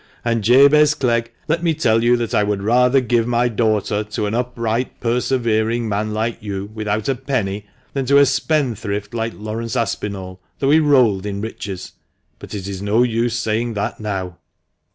And, Jabez Clegg, let me tell you that I would rather give my daughter to an upright, persevering man like you, without a penny, than to a spendthrift like Laurence Aspinall, though he rolled in riches. But it is no use saying that now?